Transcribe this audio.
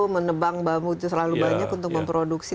menebang bambu itu terlalu banyak untuk memproduksi